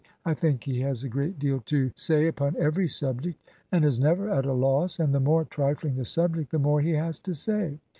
'I think he has a great deal to sfeiy upon every subject, and is never at a loss; and the more trifling the subject the more he has to say.'